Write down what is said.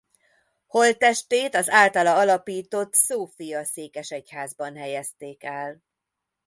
Holttestét az általa alapított Szófia-székesegyházban helyezték el.